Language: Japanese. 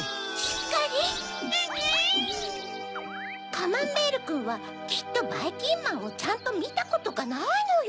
カマンベールくんはきっとばいきんまんをちゃんとみたことがないのよ。